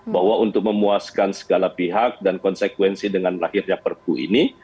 bahwa untuk memuaskan segala pihak dan konsekuensi dengan lahirnya perpu ini